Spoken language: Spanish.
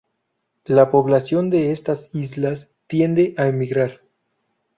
La población de estas islas tiende a emigrar.